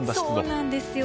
そうなんですよ。